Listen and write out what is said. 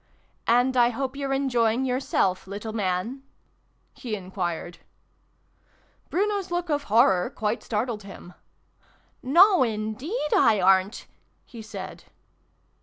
" And I hope you're enjoying yourself, little Man ?"" he enquired. Bruno's look of horror quite startled him. " No, indeed I aren't!" he said.